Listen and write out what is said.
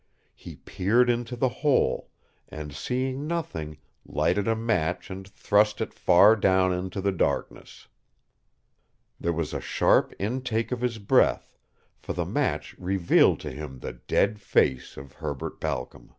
He peered into the hole and, seeing nothing, lighted a match and thrust it far down into the darkness. There was a sharp intake of his breath, for the match revealed to him the dead face of Herbert Balcom.